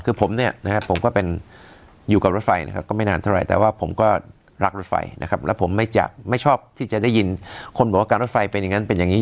คือผมเนี่ยนะครับผมก็เป็นอยู่กับรถไฟนะครับก็ไม่นานเท่าไหร่แต่ว่าผมก็รักรถไฟนะครับแล้วผมไม่จะไม่ชอบที่จะได้ยินคนบอกว่าการรถไฟเป็นอย่างนั้นเป็นอย่างนี้